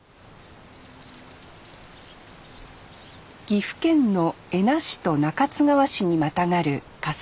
岐阜県の恵那市と中津川市にまたがる笠置山。